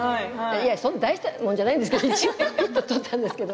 そんな大したもんじゃないんですけどちょっと撮ったんですけど。